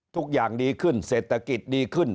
ทุกอย่างดีขึ้นเศรษฐกิจดีขึ้น